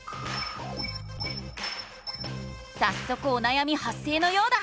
さっそくおなやみはっ生のようだ。